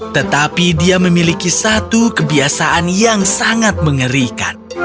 tetapi dia memiliki satu kebiasaan yang sangat mengerikan